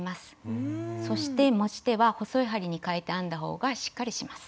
そして持ち手は細い針にかえて編んだ方がしっかりします。